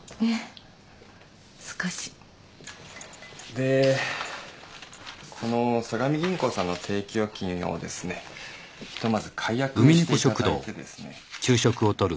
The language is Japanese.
でこの相模銀行さんの定期預金をですねひとまず解約していただいてですね。